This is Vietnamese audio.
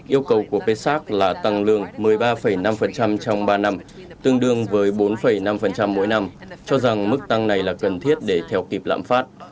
yêu cầu của psak là tăng lương một mươi ba năm trong ba năm tương đương với bốn năm mỗi năm cho rằng mức tăng này là cần thiết để theo kịp lạm phát